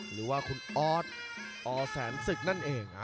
หรือว่าคุณออสอแสนศึกนั่นเอง